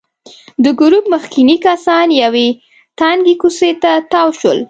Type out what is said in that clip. د ګروپ مخکېني کسان یوې تنګې کوڅې ته تاو شول.